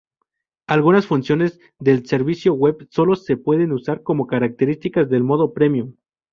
Algunas funciones del servicio web sólo se pueden usar como características del modo premium.